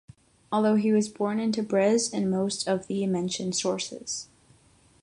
Although he was born in Tabriz in most of the mentioned sources.